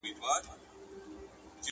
معشوقې په بې صبري کي کله چا میندلي دینه!!